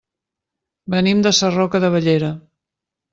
Venim de Sarroca de Bellera.